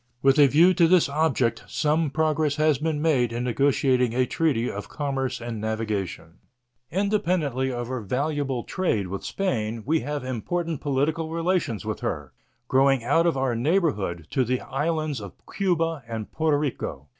With a view to this object, some progress has been made in negotiating a treaty of commerce and navigation. Independently of our valuable trade with Spain, we have important political relations with her growing out of our neighborhood to the islands of Cuba and Porto Rico.